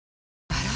あら！